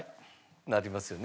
なりますよね。